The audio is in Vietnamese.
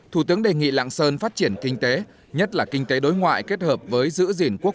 thủ tướng đề nghị lạng sơn phát triển kinh tế nhất là kinh tế đối ngoại kết hợp với giữ gìn quốc